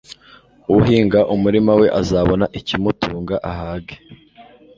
Uhinga umurima we azabona ikimutunga ahage